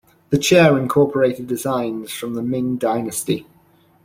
The chair incorporated designs from the Ming dynasty.